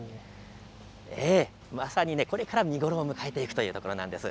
まさにこれから見頃を迎えていくというところなんです。